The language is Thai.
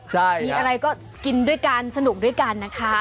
ใช่มีอะไรก็กินด้วยกันสนุกด้วยกันนะคะ